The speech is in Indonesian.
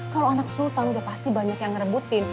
kalau anak sultan udah pasti banyak yang ngerebutin